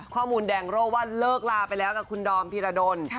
ข้อมูลแดงโรคว่าเลิกลาไปแล้วกับคุณดอมพีรดล